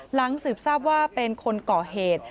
หลังสืบทราบว่าเป็นคนก่อเหตุ